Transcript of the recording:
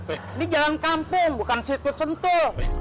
ini jalan kampung bukan situ sentuh